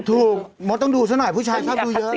ถูกมันต้องดูเท่าหน่อยผู้ชายข้าวดูเยอะ